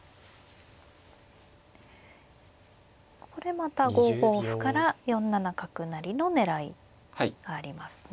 ここでまた５五歩から４七角成の狙いがありますね。